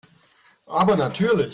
Aber natürlich.